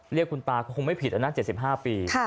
เรียกคุณตาก็คงไม่ผิดนะ๗๕ปี